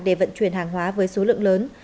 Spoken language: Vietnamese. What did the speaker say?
để vận chuyển hàng hóa với số lượng lớn